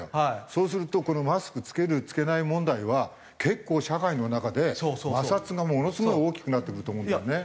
そうするとこのマスク着ける着けない問題は結構社会の中で摩擦がものすごい大きくなってくると思うんだよね。